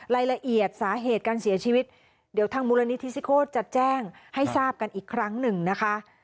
รายละเอียดสาเหตุการเสียชีวิตเดี๋ยวทางมูลนิธิซิโคตรจะแจ้งให้ทราบกันอีกครั้งหนึ่งนะคะ